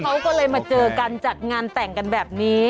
เขาก็เลยมาเจอกันจัดงานแต่งกันแบบนี้